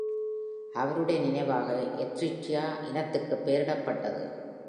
அவருடைய நினைவாக " Ehretia " இனத்திற்கு பெயரிடப்பட்டது.